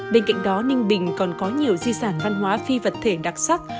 bên cạnh đó ninh bình còn có nhiều di sản văn hóa phi vật thể đặc sắc